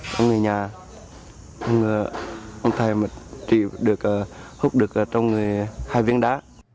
có người nhà thầy mà hút được trong hai viên đá